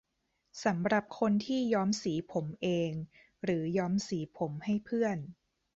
สำหรับคนที่ย้อมสีผมเอง หรือย้อมสีผมให้เพื่อน